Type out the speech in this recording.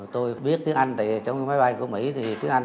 tôi biết tiếng anh thì trong máy bay của mỹ thì tiếng anh